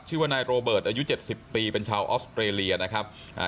ชื่อว่านายโรเบิร์ตอายุเจ็ดสิบปีเป็นชาวออสเตรเลียนะครับอ่า